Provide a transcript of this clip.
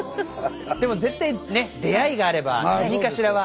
でも絶対ね出会いがあれば何かしらは。